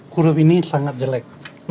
huruf ini sangat jelek